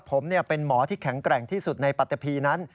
ผมเป็นหมอที่แข็งแกร่งที่สุดในปัตตะพีนั้น